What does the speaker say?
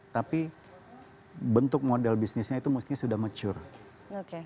tapi bentuk model bisnisnya itu mestinya sudah mature